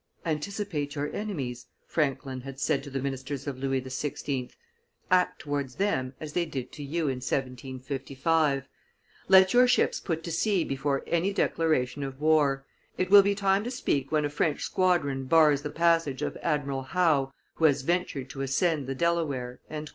"Anticipate your enemies," Franklin had said to the ministers of Louis XVI.;" act towards them as they did to you in 1755: let your ships put to sea before any declaration of war, it will be time to speak when a French squadron bars the passage of Admiral Howe who has ventured to ascend the Delaware."